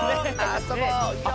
あそぼうよ！